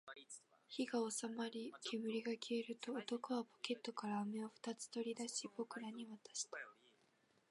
火が収まり、煙が消えると、男はポケットから飴を二つ取り出し、僕らに渡した